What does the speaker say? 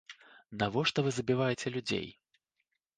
Навошта вы забіваеце людзей?